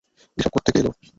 এসব কোত্থেকে এলো?